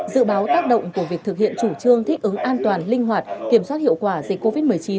dự báo tác động của việc thực hiện chủ trương thích ứng an toàn linh hoạt kiểm soát hiệu quả dịch covid một mươi chín